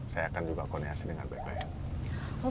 saya akan juga koordinasi dengan bpn